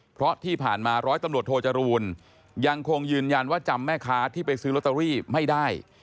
เพราะที่ผ่านมาร้อยตำรวจโทจรูลยังคงยืนยันว่าจำแม่ค้าที่ไปซื้อลอตเตอรี่ไม่ได้